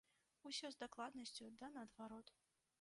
Усё з дакладнасцю да наадварот.